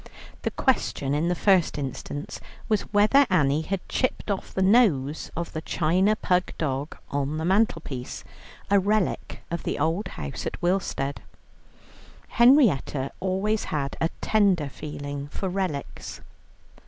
The question in the first instance was whether Annie had chipped off the nose of the china pug dog on the mantelpiece, a relic of the old house at Willstead; Henrietta always had a tender feeling for relics.